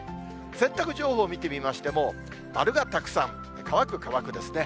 洗濯情報を見てみましても、丸がたくさん、乾く、乾くですね。